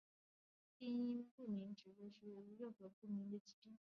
病因不明症指的是任何病因不明的疾病。